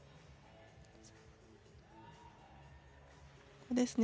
ここですね。